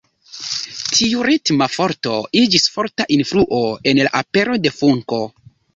Tiu ritma forto iĝis forta influo en la apero de funko.